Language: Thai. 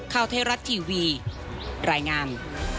ข้าวเทศรัทย์ทีวีรายงาน